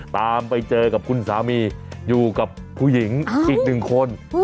ตามไปเจอกับคุณสามีอยู่กับผู้หญิงอีกหนึ่งคน